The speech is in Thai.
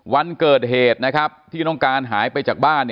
วันเกิดเหตุนะครับที่น้องการหายไปจากบ้าน